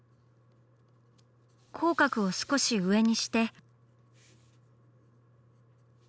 口角を少し上にして。